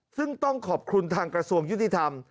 ซึ่งต้องขอบคุณทางกระทรวงยุติธรรม